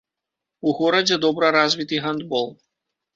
У горадзе добра развіты гандбол.